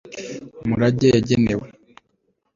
murage yagenewe